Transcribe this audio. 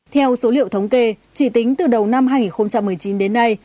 theo số liệu thống kê chỉ tính từ đầu năm hai nghìn một mươi chín đến nay